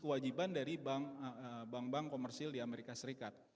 kewajiban dari bank bank komersil di amerika serikat